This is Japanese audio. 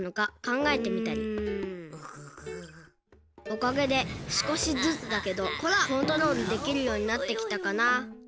おかげですこしずつだけどコントロールできるようになってきたかな。